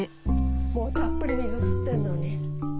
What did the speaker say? もうたっぷり水吸ってんのに。